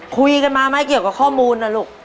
คุยกันมาไหมเกี่ยวกับข้อมูลนะลูก